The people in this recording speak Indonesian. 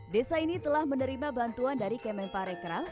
desa ini telah menerima bantuan dari kemenparekraf